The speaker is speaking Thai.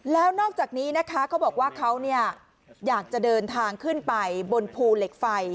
แล้วนอกจากนี้นะคะเขาบอกว่าเขาอยากจะเดินทางขึ้นไปบนภูเหล็กไฟ